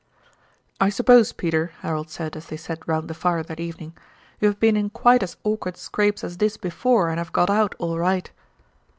"I suppose, Peter," Harold said as they sat round the fire that evening, "you have been in quite as awkward scrapes as this before and have got out all right?"